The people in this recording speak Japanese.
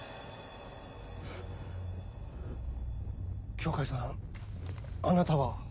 羌さんあなたは。